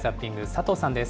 佐藤さんです。